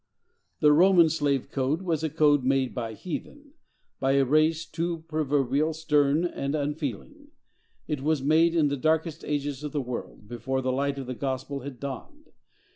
The Roman slave code was a code made by heathen,—by a race, too, proverbially stern and unfeeling. It was made in the darkest ages of the world, before the light of the gospel had dawned.